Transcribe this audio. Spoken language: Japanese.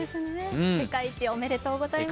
世界一おめでとうございます。